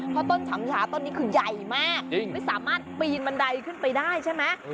เพราะต้นฉำชาต้นนี้คือใหญ่มากไม่สามารถปีนบันไดขึ้นไปได้ใช่ไหม